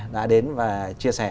đã đến và chia sẻ